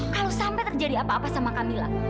kalau sampai terjadi apa apa sama kamila